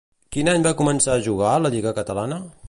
Quin any va començar a jugar a la Lliga catalana?